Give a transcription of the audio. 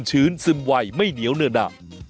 จะโดนมัดหมี่ไงเถอะ